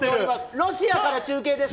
ロシアから中継ですか？